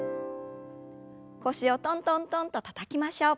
腰をトントントンとたたきましょう。